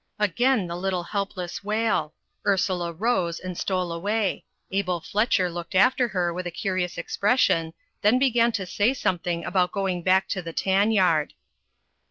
Again the little helpless wail; Ursula rose and stole away Abel Fletcher looked after her with a curious expression, then began to say something about going back to the tan yard.